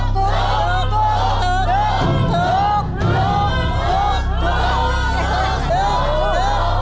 ถูกต้อง